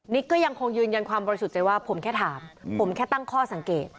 ก็ยังคงยืนยันความบริสุทธิ์ใจว่าผมแค่ถามผมแค่ตั้งข้อสังเกต